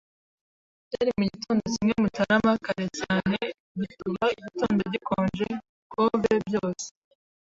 Byari mugitondo kimwe Mutarama, kare cyane - igituba, igitondo gikonje - cove byose